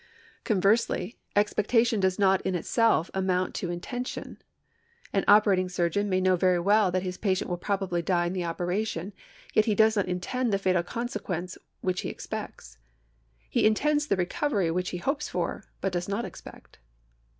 Conversely, expectation does not in itself amount to in tention. An operating surgeon may know very well that his patient will probably die of the operation ; yet he does not intend the fatal consequence which he expects. He in tends the recovery which he hopes for but does not expect.